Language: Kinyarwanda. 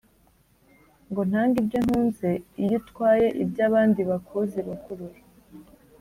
Ngo ntange ibyo ntunzeIyo utwaye iby’abandiBakuzi bakurora